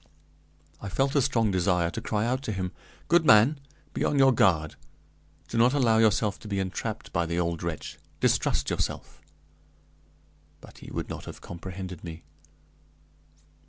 I felt a strong desire to cry out to him: "Good man, be on your guard! Do not allow yourself to be entrapped by the old wretch; distrust yourself!" but he would not have comprehended me.